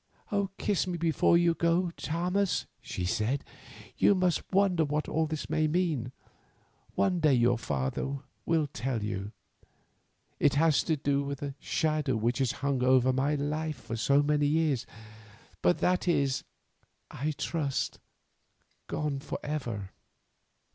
"Kiss me before you go, Thomas," she said. "You must wonder what all this may mean. One day your father will tell you. It has to do with a shadow which has hung over my life for many years, but that is, I trust, gone for ever."